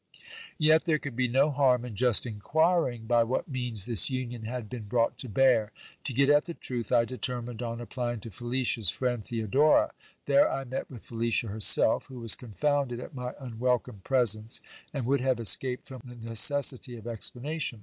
Yet there could be no harm in just inquiring by what means this union had been brought to bear. To get at the truth, I determined on applying to Felicia's friend Theodora. There I met with Felicia herself, who was confounded at my unwelcome presence, and would have escaped from the necessity of explan ation.